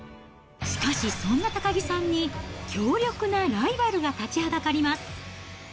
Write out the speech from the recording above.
しかし、そんな高木さんに強力なライバルが立ちはだかります。